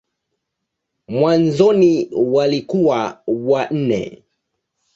Mwanzoni walikuwa wanne.